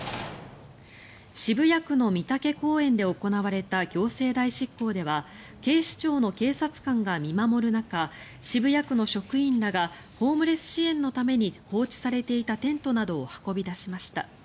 渋谷区の美竹公園で行われた行政代執行では警視庁の警察官が見守る中渋谷区の職員らがホームレス支援のために放置されていたテントなどを運び出しました。